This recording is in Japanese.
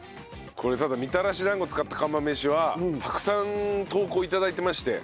これただみたらし団子使った釜飯はたくさん投稿頂いてまして。